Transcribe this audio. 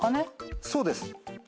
そうです。